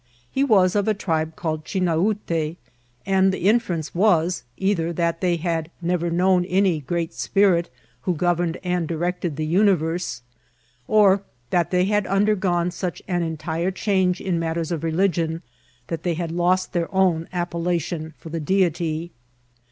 He was of a tribe called Chinaute, and the inference was, either that they had never known any Oreat Spirit who governed and directed the universe, or that they had undergone such an entire change in matters of religion that they had lost their own appella* tion f<nr the Deity.